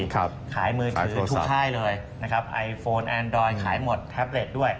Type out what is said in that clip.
ขายมือถือทุกค่ายเลยนะครับไอโฟนแอนดอยขายหมดแท็บเล็ตด้วย